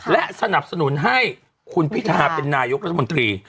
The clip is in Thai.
และสนับสนุนให้คุณพิทาเป็นนายกรัฐมนตรี